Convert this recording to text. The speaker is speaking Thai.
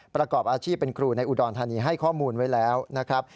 ประกอบอาชีพเป็นครูในอุดรธานีให้ข้อมูลไว้แล้วนะครับ